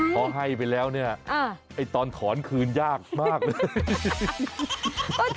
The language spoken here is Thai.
พอให้ไปแล้วเนี่ยไอ้ตอนถอนคืนยากมากเลย